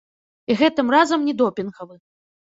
І гэтым разам не допінгавы.